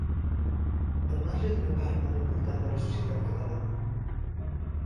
Al marge d’una part molt important de la societat catalana.